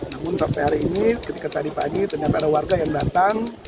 namun sampai hari ini ketika tadi pagi ternyata ada warga yang datang